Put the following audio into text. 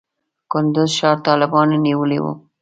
کندز ښار طالبانو نیولی و.